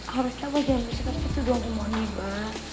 harusnya bah jangan bersekat sekat itu dong di moni bah